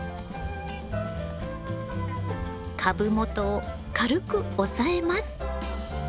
株元を軽く押さえます。